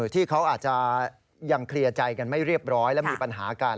ที่เขาอาจจะยังเคลียร์ใจกันไม่เรียบร้อยและมีปัญหากัน